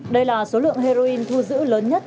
đây là số lượng heroin thu giữ lớn nhất